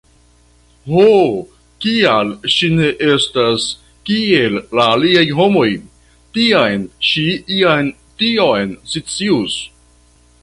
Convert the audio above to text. Ho, kial ŝi ne estas kiel la aliaj homoj, tiam ŝi ja tion scius.